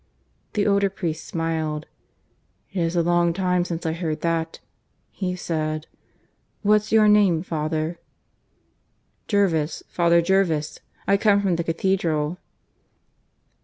The older priest smiled. "It is a long time since I heard that," he said. ... "What's your name, father?" "Jervis ... Father Jervis. I come from the Cathedral."